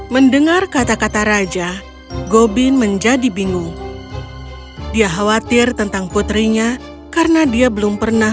mendengar kata kata raja gobin menjadi bingung dia khawatir tentang putrinya karena dia belum pernah